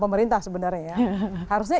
pemerintah sebenarnya ya harusnya